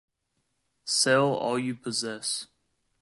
Sell all you possess.